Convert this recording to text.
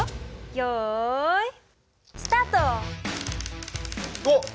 よいスタート！わ！